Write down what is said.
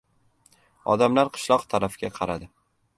Odamlar qishloq tarafga qaradi.